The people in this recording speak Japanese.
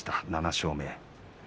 ７勝目。